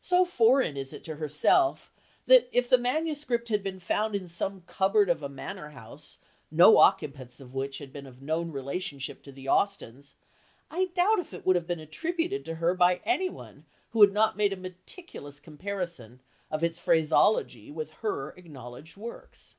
So foreign is it to herself that if the MS. had been found in some cupboard of a manor house no occupants of which had been of known relationship to the Austens, I doubt if it would have been attributed to her by any one who had not made a meticulous comparison of its phraseology with her acknowledged works.